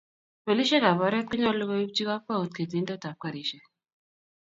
polishek ab oret ko nyalu koibchik kapkwaut ketindet ab karishek